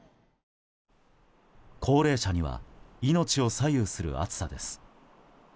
高齢者には命を左右する暑さです。